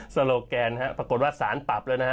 โลแกนปรากฏว่าสารปรับแล้วนะฮะ